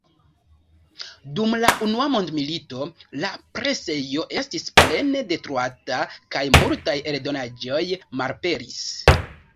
Dum la unua mondmilito la presejo estis plene detruata kaj multaj eldonaĵoj malaperis.